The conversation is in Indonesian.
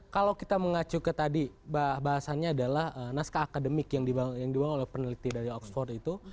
kalau kita mengacu ke tadi bahasannya adalah naskah akademik yang dibangun oleh peneliti dari oxford itu